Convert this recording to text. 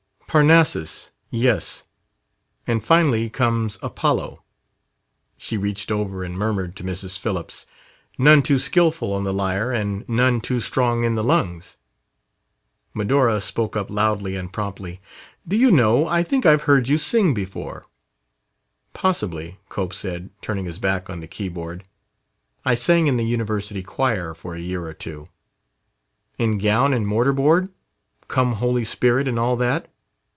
"Parnassus, yes. And finally comes Apollo." She reached over and murmured to Mrs. Phillips: "None too skillful on the lyre, and none too strong in the lungs...." Medora spoke up loudly and promptly. "Do you know, I think I've heard you sing before." "Possibly," Cope said, turning his back on the keyboard. "I sang in the University choir for a year or two." "In gown and mortar board? 'Come, Holy Spirit,' and all that?"